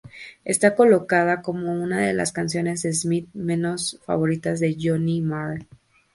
Está colocada como una de las canciones The Smiths menos favoritas de Johnny Marr.